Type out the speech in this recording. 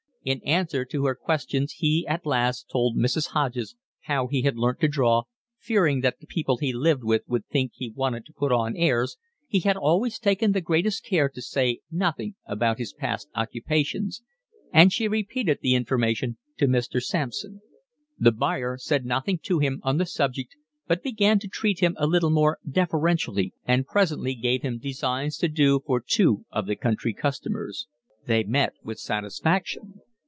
In answer to her questions he at last told Mrs. Hodges how he had learnt to draw—fearing that the people he lived with would think he wanted to put on airs, he had always taken the greatest care to say nothing about his past occupations—and she repeated the information to Mr. Sampson. The buyer said nothing to him on the subject, but began to treat him a little more deferentially and presently gave him designs to do for two of the country customers. They met with satisfaction.